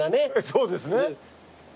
そうですね。